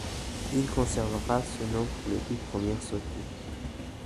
Il conservera ce nom pour les toutes premières sorties.